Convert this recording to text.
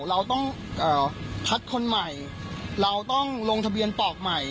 เราต้องพักคนใหม่เราต้องลงทะเบียนปอกใหม่